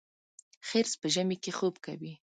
خرس په ژمي کې خوب کوي